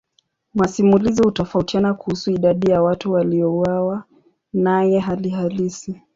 Masimulizi hutofautiana kuhusu idadi ya watu waliouawa naye hali halisi.